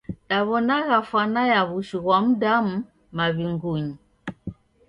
Daw'onagha fwana ya w'ushu ghwa mdamu maw'ingunyi.